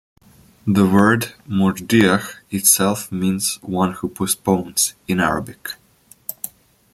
The word Murjiah itself means "one who postpones" in Arabic.